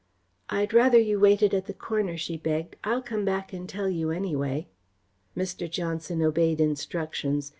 "I'd rather you waited at the corner," she begged. "I'll come back and tell you, anyway." Mr. Johnson obeyed instructions.